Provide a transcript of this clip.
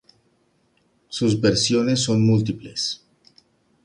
Sus versiones son múltiples.